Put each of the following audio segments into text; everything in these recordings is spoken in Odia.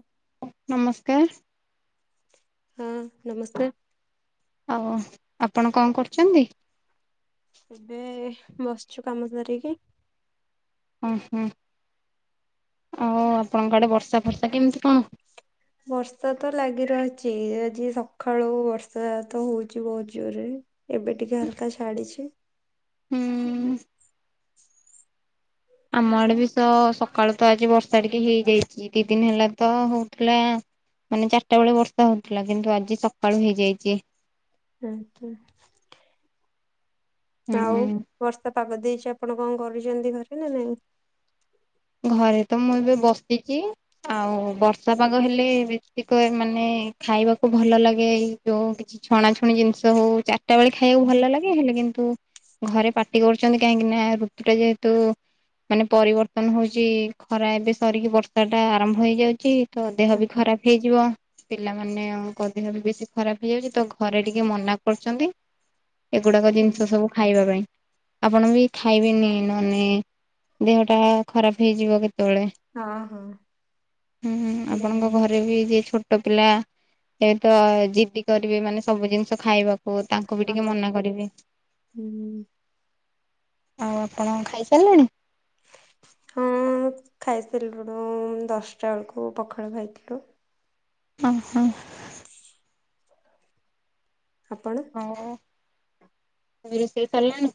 ଉ। ନମସ୍କାର। ହଁ ନମସ୍କାର। ଅ ହୋ ଆପଣ କଣ କରୁଚନ୍ତି? ଏବେ ବସିଚୁ କାମ ସାରିକି। ଓ ହୁଁ ଆଉ ଆପଣଙ୍କ ଆଡେ ବର୍ଷା ଫର୍ଷା କେମତି କଣ? ବର୍ଷା ତ ଲାଗି ରହିଚି ଆଜି ସଖାଳୁ ବର୍ଷା ତ ହଉଚି ବହୁତ ଜୋରେ। ଏବେ ଟିକେ ହାଲକା ଛାଡିଛି। ହୁଁ ଆମ ଆଡେ ବି ତ ସକାଳୁ ତ ଆଜି ବର୍ଷା ଟିକେ ହେଇଯାଇଛି ଦି ଦିନ ହେଲା ତ ହଉଥିଲା। ମାନେ ଚାରିଟା ବେଳେ ବର୍ଷା ହଉଥିଲା କିନ୍ତୁ ଆଜି ସକାଳୁ ହେଇଯାଇଛି। [unintelligible] ଆଉ ହୁଁ। ବର୍ଷା ପାଗ ଦେଇଛି ଆପଣ କଣ କରିୁଛନ୍ତି ଘରେ ନା ନାଇଁ। ଘରେ ତ ମୁଁ ଏବେ ବସିଛି ଆଉ ବର୍ଷା ପାଗ ହେଲେ [unintelligible] ମାନେ ଖାଇବାକୁ ଭଲ ଲାଗେ ଯୋଉ କିଛି ଛଣାଛଣି ଜିନିଷ ହଉ। ଚାରିଟା ବେଳେ ଖାଇବାକୁ ଭଲ ଲାଗେ? ହେଲେ କିନ୍ତୁ ଘରେ ପାଟି କରୁଛନ୍ତି କାହିଁକି ନା ଋତୁ ଟା ଯେହେତୁ ମାନେ ପରିବର୍ତ୍ତ ନ ହଉଛି ଖରା ଏବେ ସରିକି ବର୍ଷା ଟା ଆରମ୍ଭ ହେଇଯାଉଛି ତ ଦେହ ବି ଖରାପ ହେଇଯିବ। ପିଲାମାନେ ଙ୍କ ଦେହ ବି ବେଶୀ ଖରାପ ହେଇଯାଉଛି ତ ଘରେ ଟିକେ ମନା କରୁଛନ୍ତି। ଏଗୁଡାକ ଜିନିଷ ସବୁ ଖାଇବା ପାଇଁ ଆପଣ ବି ଖାଇବେନି ନହେନେ ଦେହଟା ଖରାପ ହେଇଯିବ କେତେବେଳେ ହଁ ହଁ ହୁଁ ଆପଣଙ୍କ ନାଇଁ ଘରେ ଘରେ ବି ଛୋଟ ପିଲା ଏତ ଯିଦି କରିବେ ମାନେ ସବୁ ଜିନିଷ ଖାଇବାକୁ ତା ଙ୍କୁ ବି ଟିକେ ହଁ ମନା କରିବେ ହୁଁ ଆଉ ଆପଣ ଖାଇସାରିଲେଣି? ହଁ ଖାଇସରିଲୁଣୁ ଦଶଟା ବେଳକୁ ପଖାଳ ଖାଇଥିଲୁ। ଓହୋ। ଆପଣ? ଓ ରୋଷେଇ ସରିଲାଣି?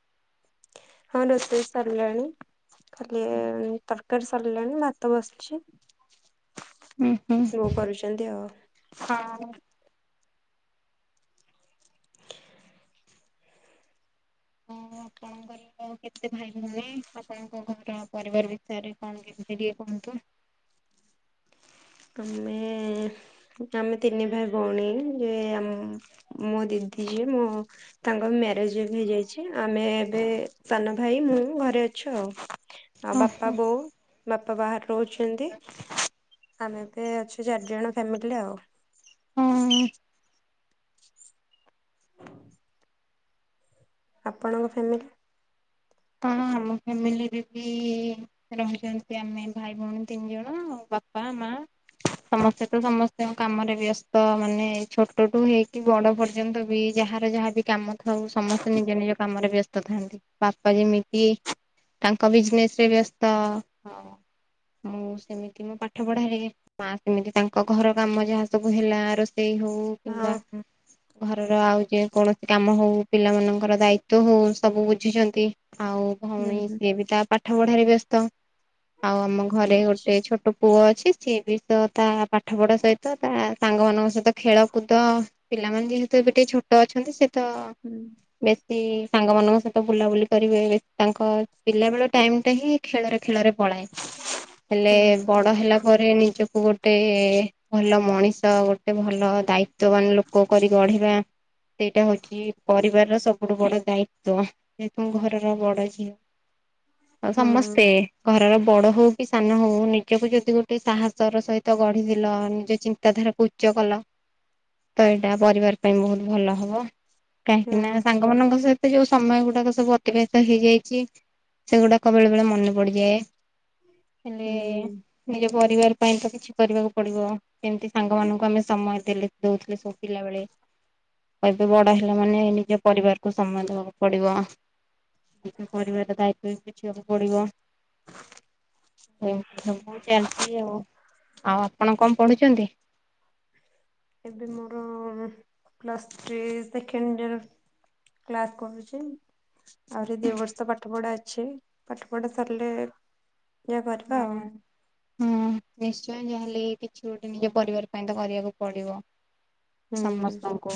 ହଁ ରୋଷେଇ ସରିଲାଣି ଖାଲି ତର କାରୀ ସରିଲାଣି ଭାତ ବସିଛି। ଉଁ ହୁଁ ବୋଉ କରୁଛନ୍ତି ଆଉ ହଁ। [unintelligible] ଆପଣ କେତେ ଭାଇ ଭଉଣୀ ଆପଣଙ୍କ ଘର ପରିବାର ବିଷୟରେ କଣ କେମିତି ଟିକେ କୁହନ୍ତୁ? ତମେ? ଆମେ ତିନି ଭାଇ ଭଉଣୀ ଯେ ମୋ ଦିଦି ଯିଏ ମୋ ତାଙ୍କର ମ୍ୟାରେଜ ହେଇଯାଇଛି ଆମେ ଏବେ ସାନ ଭାଇ ମୁଁ ଘରେ ଅଛୁ ଆଉ। ଆଉ ବାପା ଓହୋ। ବୋଉ ବାପା ବାହାରେ ରହୁଛନ୍ତି। ଆମେ ଏବେ ଅଛୁ ଚାରିଜଣ ଫ୍ୟାମିଲିରେ ଆଉ। ହଁ। ଆପଣଙ୍କ ଫ୍ୟାମିଲି? ହଁ ଆମ ଫ୍ୟାମିଲିରେ ବି ରହୁଛନ୍ତି ଆମେ ଭାଇ ଭଉଣୀ ତିନି ଜଣ ବାପା, ମା। ସମସ୍ତେ ତ ସମସ୍ତଙ୍କ କାମରେ ବ୍ୟସ୍ତ ମାନେ ଛୋଟଠୁ ହେଇକି ବଡ ପ ପର୍ଯ୍ୟନ୍ତ ବି ଯାହାର ଯାହାବି କାମ ଥାଉ ସମସ୍ତେ ନିଜ ନିଜ କାମ ରେ ବ୍ୟସ୍ତ ଥାନ୍ତି ବାପା ବାପା ଯେମିତି ତାଙ୍କ ବିଜନେସ ରେ ବ୍ୟସ୍ତ। ମୁଁ ସେମିତି ମୋ ପାଠ ପଢାରେ। ମା ସେମିତି ତାଙ୍କ ଘର କାମ ଯାହା ସବୁ ହେଲା ରୋଷେଇ ହଉ ହଁ କିମ୍ବା ଘରର ଆଉ ଯେକୌଣସି କାମ ହଉ ପିଲାମାନଙ୍କର ଦାୟିତ୍ୱ ହଉ ସବୁ ବୁଝୁଛନ୍ତି। ଆଉ ହୁଁ ଭଉଣୀ ହୁଁ ସିଏ ବି ତା ପାଠ ପଢାରେ ବ୍ୟସ୍ତ ଆଉ ଆମ ଘରେ ଗୋଟେ ଛୋଟ ପୁଅ ଅଛି ସିଏ ବି ତ ତା ପାଠପଢ଼ା ସହିତ ତା ସାଙ୍ଗମାନଙ୍କ ସହିତ ଖେଳ କୁଦ ପିଲାମାନେ ଯେହେତୁ ଏବେ ଟିକେ ଛୋଟ ଅଛନ୍ତି ସେ ତ ହୁଁ। ବେଶୀ ସାଙ୍ଗମାନଙ୍କ ସହିତ ବୁଲାବୁଲି କରିବେ ତାଙ୍କ ପିଲାବେଳ ଟାଇମ ଟା ହିଁ ଖେଳରେ ଖେଳରେ ପଳାଏ ହେଲେ ହୁଁ ବଡ ହେଲା ପରେ ନିଜକୁ ଗୋଟେ ଗୋଟେ ଭଲ ମଣିଷ ଗୋଟେ ଭଲ ଦାୟିତ୍ୱବାନ ଲୋକ କରି ଗଢିବା। ସେଇଟା ହଉଛି ପରିବାର ର ସବୁଠୁ ବଡ ଦାୟିତ୍ଵ। ଯେହେତୁ ମୁଁ ଘରର ବଡ ଝିଅ ଆଉ ହଁ ସମସ୍ତେ ଘରର ବଡ ହଉ କି ସାନ ହଉ ନିଜକୁ ଯଦି ଗୋଟେ ସାହସ ର ସହିତ ଗଢିଦେଲ ନିଜ ଚିନ୍ତାଧାରାକୁ ଉଚ୍ଚ କଲ ତ ଏଇଟା ପରିବାର ପାଇଁ ବହୁତ ଭଲ ହବ। କାହିଁକି ନା ହଁ ସାଙ୍ଗମାନଙ୍କ ସହିତ ଯୋଉ ସମୟ ଗୁଡାକ ସବୁ ଅତିବାହିତ ହେଇଯାଇଚି ସେଗୁଡାକ ବେଳେ ବେଳେ ମନେ ପଡିଯାଏ ହେଲେ ହୁଁ ନିଜ ପରିବାର ପାଇଁ ତ କିଛି କରିବାକୁ ପଡିବ। ସେମିତି ସାଙ୍ଗମାନଙ୍କୁ ଆମେ ସମୟ ଦେଲେ ଦଉଥିଲେ ପିଲାବେଳେ ଏବେ ବଡ ହେଲା ମାନେ ନିଜ ପରିବାରକୁ ସମୟ ଦେବାକୁ ପଡିବ। ପରିବାର ଦାଇତ୍ୱ ବୁଝିବାକୁ ପଡିବ। ଏମିତି ସବୁ ଚାଲିଛି ଆଉ ଆଉ ଆପଣ କଣ ପଢୁଛନ୍ତି। ଏବେ ମୋର plus three second year class କରୁଛି। ଆହୁରୀ ଦଦିବର୍ଷ ପାଠପଢା ଅଛି ପାଠ ପଢା ସରିଲେ ଯା କରିବା ହୁଁ ଆଉ ହୁଁ ନିଶ୍ଚୟ ଯାହାେଲେ କିଛି ଗୋଟେ ନିଜ ପରିବାର ପାଇଁ ତ କରିବାକୁ ପଡିବ। ହୁଁ ସମସ୍ତଙ୍କୁ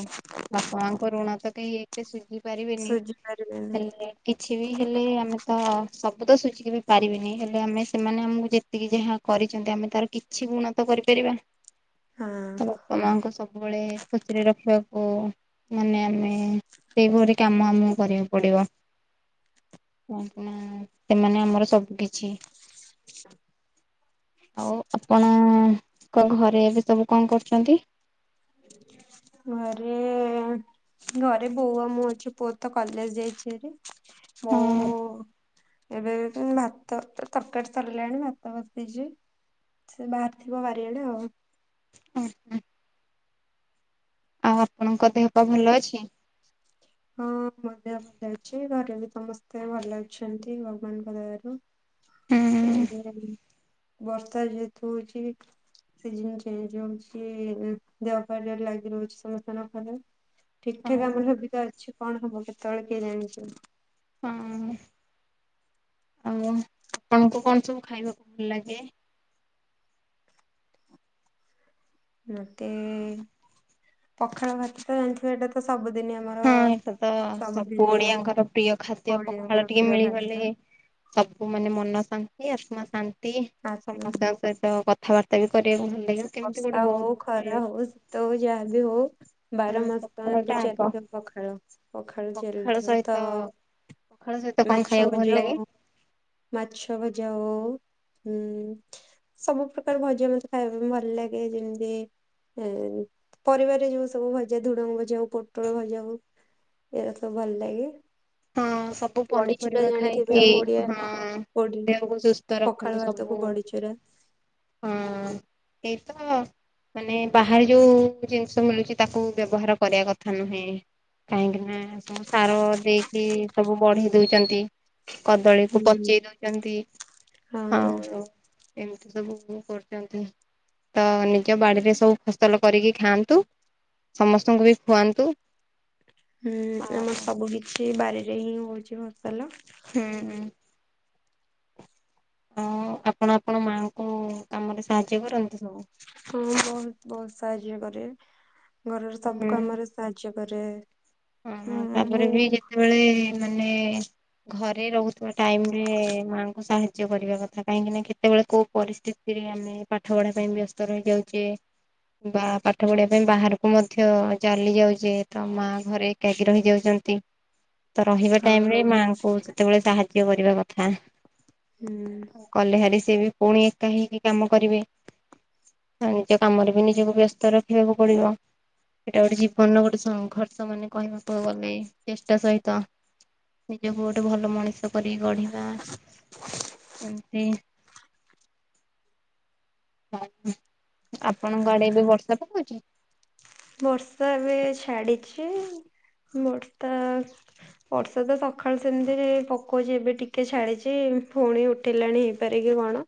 ବାପ ମାଙ୍କ ଋଣା ତ କେହି ହେଲେ ସୁଝି ପାରିବେନି ସୁଝି ପାରିବେନି ହେଲେ କିଛି ବି ହେଲେ ଆମେ ତ ସବୁ ତ ସୁଝିବି ପାରିବିନି ହେଲେ ଆମେ ସେମାନେ ଆମକୁ ଯେତିକି ଯାହା କରିଛନ୍ତି ଆମେ ତାର କିଛି ଗୁଣ ତ କରିପାରିବା ତ ହଁ ବାପାମାଙ୍କୁ ସବୁବେଳେ ଖୁସିରେ ରଖିବାକୁ ମାନେ ଆମେ ସେଇପରି କାମ ଆମକୁ କରିବାକୁ ପଡିବ। [unintelligible] ନା ସେମାନେ ଆମର ସବୁ କିଛି [inaudible] ଆଉ ଆପଣଙ୍କ ଘରେ ଏବେ ସବୁ କଣ କରୁଛନ୍ତି। ଘରେ- ଘରେ ବୋଉ ଆଉ ମୁଁ ଅଛି ପୁଅ ତ କଲେଜ ଯାଇଛି ହେରି ବୋ ହଁ ଏବେ ଭାତ ତରକାରୀ ସରିଲାଣି ଭାତ ବସେଇଛି ସେ ବାହାରି ଥିବ ବାରିଆଡେ ଆଉ ହ ହ ଆଉ ଆପଣଙ୍କ ଦେହ ପା ଭଲ ଅଛି। ହଁ ମୋ ଦେହ ଭଲଅଛି ଘରେ ବି ସମସ୍ତେ ଭଲ ଅଛନ୍ତି ଭଗବାନଙ୍କ ଦୟାରୁ- ହୁଁ [unintelligible] ବର୍ଷା ଯେହେତୁ ହଉଛି ସିଜୀନ ଚେଞ୍ଜ ହଉଛି ଦେହପା ଯାହାର ଲାଗି ରହୁଛି ସମସ୍ତଙ୍କର ଖାଲି ଠିକ ଆଉ ଠାକ ଆମର ହେବ ତ ଅଛି କଣ ହବ କେତେବେଳେ କେହି ଜାଣିଛ। ହଁ ଆଉ ଆପଣଙ୍କୁ କଣ ସବୁ ଖାଇବାକୁ ଭଲ ଲାଗେ। ମତେ ପଖାଳ ଭାତ ତ ଜାଣିଥିବ ଏଇଟା ତ ତ ସବୁଦିନ ଆମର ହଁ ଏଇଟା ତ ସବୁ ସବୁଦିନେ ଓଡିଆଙ୍କର ପ୍ରିୟ ଖାଦ୍ୟ ପଖାଳ ଓଡ଼ିଆଙ୍କର ଟିକେ ପ୍ରିୟ ମିଳିଗଲେ ଖାଦ୍ୟ। ସବୁ ମାନେ ମନ ଶାନ୍ତି ଆତ୍ମା ଶାନ୍ତି ଆ ସମସ୍ତଙ୍କ ସହିତ କ କଥାବାର୍ତ୍ତା ବି କରିବାକୁ ଭଲଲାଗେ କେମିତି ଗୋଟେ ବହୁତ ଭଲ ଲାଗେ। ତ ଯାହା ବି ହଉ। ବାର ହଁ ମାସ ପଖାଳ ତ ଟା ଆଗ ଚାଲିଥିବ ପଖାଳ ପଖାଳ ଚାଲିଥିବ ତ। ପଖାଳ ସହିତ କଣ ମାଛ ଖାଇବାକୁ ଭଲ ଭଜା ଲାଗେ ହଉ ମାଛ ଭଜା ହଉ ହୁଁ। ସବୁ ପ୍ରକାର ଭଜା ମତେ ଖାଇବା ପାଇଁ ଭଲ ଲାଗେ ଯେମିତି। ହଁ ପରିବାରରେ ଯୋଉ ସବୁ ଭଜା ଧୁଡଙ୍ଗ ଭଜା ଉ ପୋଟଳ ଭଜାକୁ ଏଇଟା ସବୁ ଭଲ ଲାଗେ। ହଁ ସବୁ ବଡ଼ିଚୁରା ପନିପରିବା ଜାଣିଥିବେ ଖାଇକି ଆମ ଓଡିଆ। ହଁ କୋଉଠି ଦେହକୁ ସୁସ୍ଥ ପଖାଳ ରଖନ୍ତୁ ସବୁ ଭାତକୁ ବଡିଚୁରା। ହଁ। ଏଇ ତ। ମାନେ ବାହାରେ ଯୋଉ ଜିନିଷ ମିଳୁଛି ତାକୁ ବ୍ୟବହାର କରିବା କଥା ନୁହେଁ। କାହିଁକି ନା ସବୁ ସାର ଦେଇକି ସବୁ ବଢେଇ ଦଉଛନ୍ତି। ହୁଁ କଦଳୀକୁ ପଚେଇ ଦଉଛନ୍ତି ହଁ ଆଉ। ଏମିତି ସବୁ କରୁଛନ୍ତି। ତ ନିଜ ବାଡିରେ ସବୁ ଫସଲ କରିକି ଖାଆନ୍ତୁ। ସମସ୍ତଙ୍କୁ ବି ଖୁଆନ୍ତୁ। ହୁଁ ଆଉ ଆମର ସବୁ କିଛି ବାରିରେ ହିଁ ହଉଛି ଫସଲ। ହୁଁ ହୁଁ। ହଁ ଆପଣ ଆପଣ ମାଆଙ୍କୁ କାମରେ ସାହାଯ୍ୟ କରନ୍ତି? ହଁ ବହୁତ୍ ବହୁତ୍ ସାହାଯ୍ୟ କରେ ଘରର ସବୁ ହୁଁ କାମରେ। ସାହାଯ୍ୟ କରେ ହ ମୁଁ। ସେତେବେଳେ ମାନେ ଘରେ ରହୁଥିବା ଟାଇମ୍ ରେ ମାଙ୍କୁ ସାହା ଯ୍ୟ କରିବା କଥା କାହିଁକି ନା କେତେବେଳେ କୋଉ ପରିସ୍ଥିତିରେ ଆମେ ପାଠ ପଢା ପାଇଁ ବ୍ୟସ୍ତ ରହିଯାଉଛେ। ବା ପାଠ ପଢିବା ପାଇଁ ବାହାରକୁ ମଧ୍ୟ ଚାଲି ଯାଉଛେ ତ ମା ଘରେ। ଏକାକି ରହିଯାଉଛନ୍ତି। ତ ରହିବା ଟାଇମ୍ ରେ ହଁ ମାଆଙ୍କୁ ସେତେବେଳେ ସାହାଯ୍ୟ କରିବା କଥା। ହୁଁ ଗଲେ ହେରି ସିଏ ବି ପୁଣି ଏକା ହେଇକି କାମ କରିବେ। ଆ ନିଜ କାମରେ ବି ନିଜକୁ ବ୍ୟସ୍ତ ରଖିବାକୁ ପଡିବ ଏଇଟା ଗୋଟେ ଜୀବନର ଗୋଟେ ସଂଘର୍ଷ ମାନେ? କହିବାକୁ ଗଲେ ଚେଷ୍ଟା ସହିତ ନିଜକୁ ଗୋଟେ ଭଲ ମଣିଷ। କରି ଗଢିବା ଏମିତି ହ ଆପଣଙ୍କ ଆଡେ ଏବେ ବର୍ଷା ପକୋଉଛି? ବର୍ଷା ଏବେ ଛାଡିଛି ବର୍ଷା ବର୍ଷା ତ ସକାଳୁ ସେମିତିରେ ପକଉଛି ଏବେ ଟିକେ ଛାଡିଛି ପୁଣି ଉଠେଇଲାଣି। ସେଠାରେ କି କଣ।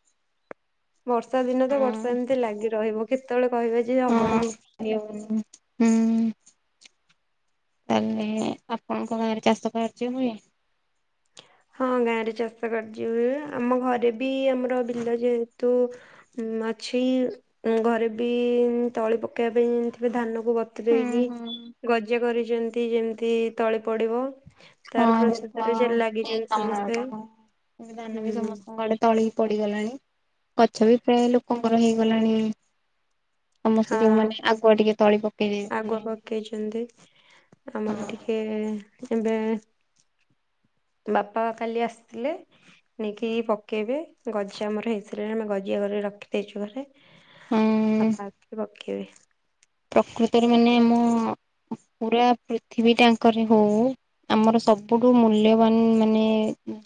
ବର୍ଷା ଦିନ ତ ହଁ ବର୍ଷା ଏମିତି ଲାଗି ରହିବ କେତେବେଳେ କହିବେ ଯେ ହବନି। ହ ହୁଁ। ତାହେଲେ ଆପଣଙ୍କ ଗାଁରେ ଚାଷ କାର୍ଯ୍ୟ ହୁଏ। ହଁ ଗାଁରେ ଚାଷ କାର୍ଯ୍ୟ ହୁଏ ଆମ ଘରେ ବି ଆମର ବିଲ ଯେହେତୁ। ମାଛି ଘରେ ବି ତଳି ପକେଇବା ପାଇଁ ଥିବେ ଧାନ କୁ। ବତରେଇକି ହଁ ଗଜା କରିଛନ୍ତି ଯେମିତି ତଳି ପଡିବ। [inaudible] ତାର ଘଡେ ପ୍ରସ୍ତୁତିରେ ସେ ଲାଗିଛନ୍ତି ସମସ୍ତେ ହୁଁ ତଳି ପଡିଗଲାଣି ଗଛ ବି ପ୍ରାୟ ଲୋକଙ୍କର ହେଇଗଲାଣି। ସମସ୍ତେ ଯୋଉ ହଁ ମାନେ ଆଗୁଆ ଟିକେ ତଳିପ ଆଗୁଆ ପକେଇଛନ୍ତି ଆମର ଟିକେ ଏବେ। ବାପା କାଲି ଆସିଥିଲେ। ନେଇକି ପକେଇବେ ଗଜା ଆମର ହେଇସାରଣି ଆମେ ଗଜା ଘରେ ରଖିଦେଇଛୁ ଘରେ। ହଁ ବାପା ଆସି ପକେଇବେ। ପ୍ରକୃତରେ ମାନେ ମୁଁ ପୁରା ପୃଥିବୀ ତାଙ୍କର ହଉ। ଆମର ସବୁଠୁ ମୂଲ୍ୟବାନ ମାନେ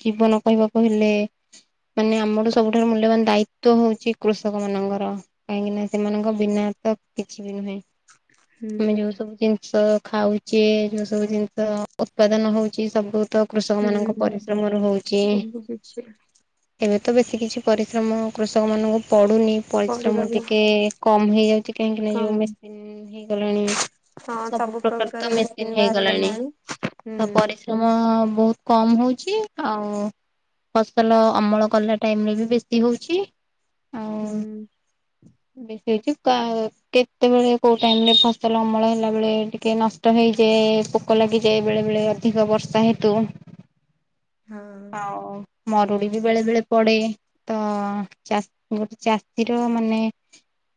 ଜୀବନ କହିବାକୁ କହିଲେ ମାନେ ଆମର ସବୁଠାରୁ ମୂଲ୍ୟବାନ୍ ଦାୟିତ୍ଵ ହଉଛି କୃଷକ ମାନଙ୍କର। କାହିଁକିନା ସେମାନଙ୍କ ବିନା ତ କିଛି ନୁହେଁ ଆମେ ହୁଁ ଯୋଉ ସବୁ ଜିନିଷ ଖାଉଛ୍ ଛେ ଯୋଉ ସବୁ ଜିନିଷ ଉତ୍ପାଦନ ହଉଛି ସବୁ ତ କୃଷକ ମାନଙ୍କ ହୁଁ ପରିଶ୍ରମରୁ ହଉଛି। ସବୁ କିଛି ଏବେ ତ ବେଶୀ କିଛି ପରିଶ୍ରମ କୃଷକମାନଙ୍କୁ ପଡୁନି। ପଡିବା ପରିଶ୍ରମ ବି ଟିକେ କମ୍ ହେଇଯାଉଛି, କାହିଁକି ନା କମ୍ ଯୋଉ ମେସିନ ହେଇଗଲାଣି। ସବୁ ପ୍ରକାର ତ ମେସିନ୍ ହେଇଗଲାଣି। ହୁଁ ସବ୍ ଜମ ବହୁତ୍ କମ୍ ହଉଛି ଆଉ ଫସଲ ଅମଳ କଲା ଟାଇମ୍ ରେ ବି ବେଶୀ ହଉଛି ଆଉ। [unintelligible] ବ ସେଛି କା ଉ। କେତେବେଳେ କୋଉ ଟାଇମ୍ ରେ ଫସଲ ଅମଳ ହେଲା ବେଳେ ଟିକେ ନଷ୍ଟ ହେଇଯାଏ। ପୋ ପୋକ ଲାଗିଯାଏ ବେଳେ ବେଳେ ଅଧିକ ବର୍ଷା ହେତୁ। ହଁ। ଆଉ ମରୁଡ଼ି ବି ବେଳେ ବେଳେ ପଡ଼େ ତ ଗୋଟେ ଚାଷୀର ମାନେ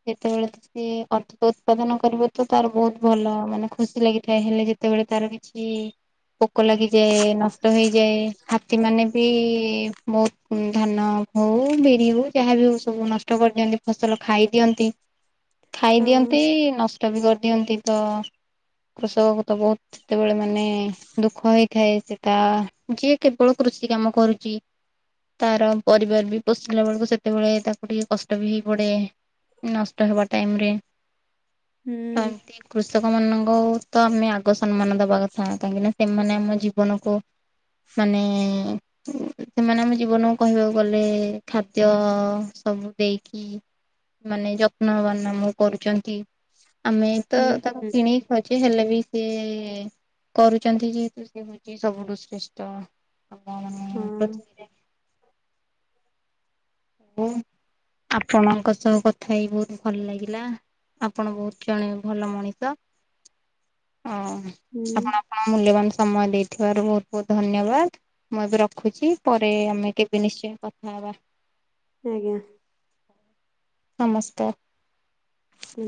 ଯେତେବେଳେ ସେ ଅଧିକ ଉତ୍ପାଦନ କରିବ ତ ତାର ବହୁତ ଭଲ ମାନେ ଖୁସି ଲାଗିଥାଏ ହେଲେ, ଯେତେବେଳେ ତାର କିଛି ପୋକ ଲାଗିଯାଏ ନଷ୍ଟ ହେଇଯାଏ। ହାତୀ ମାନେ ବି ବହୁତୁ ଧାନ ହଉ ବିରି ହୋଉ ଯାହାବି ହଉ ସବୁ ନଷ୍ଟ କରିଦିଅନ୍ତି ଫସଲ ଖାଇଦିଅନ୍ତି। ହଁ। ଖାଇଦିଅନ୍ତି ନଷ୍ଟ ବି କରିଦିଅନ୍ତି ତ କୃଷକ [unintelligible] ତବୁ ସେତେବେଳେ ମାନେ ଦୁଃଖ ହେଇଥାଏ ସେଟା ଯିଏ କେବଳ କୃଷି କାମ କରୁଛି ତାର ପରିବାର ବି ପୋଷିଲା ବେଳକୁ ସେତେବେଳେ ତାକୁ ଟିକେ କଷ୍ଟ ବି ହେଇ ପଡ଼େ। ନଷ୍ଟ ହେବା ଟାଇମରେ। ହୁଁ। ତ ଏମତି କୃଷକ ମାନଙ୍କୁ ତ ଆମେ ଆଗ ସମ୍ମାନ ଦବା କଥା। କାହିଁକି ନା ସେମାନେ ଆମ ଜୀବନକୁ ମାନେ [unintelligible] ସେମାନେ ଆମ ଜୀବନକୁ କହିବାକୁ ଗଲେ ଖାଦ୍ୟ ସବୁ ଦେଇକି ମାନେ ଯତ୍ନବାନ ଆମକୁ କରୁଛନ୍ତି। ଆମେ ତ ହୁଁ ତାକୁ ହୁଁ କିଣିକି ଖାଉଛେ। ହେଲେ ବି ସେ କରୁଛନ୍ତି ଯେହେତୁ ସେ ହଉଛି ସବୁଠୁ ଶ୍ରେଷ୍ଠ। ଆମ ମାନେ ହଁ। ପୃଥିବୀରେ ଓ ଆପଣଙ୍କ ସହ କଥା ହେଇ ବହୁତ ଭଲ ଲାଗିଲା। ଆପଣ ବହୁତ କ୍ଷଣେ ଭଲ ମଣିତ ଅଁ ହୁଁ ଆ ମୂଲ୍ୟବାନ ସମୟ ଦେଇଥିବାରୁ ବହୁତ ବହୁତ ଧନ୍ୟବାଦ। ମୁଁ ଏବେ ରଖୁଛି ପରେ ଆମେ କେବେ ନିଶ୍ଚୟ କଥା ହବା। ଆଜ୍ଞା। ନମସ୍କାର। ହୁଁ।